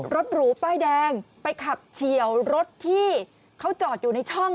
หรูป้ายแดงไปขับเฉียวรถที่เขาจอดอยู่ในช่อง